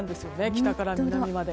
北から南まで。